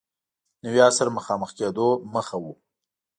نوي عصر مخامخ کېدو مخه و.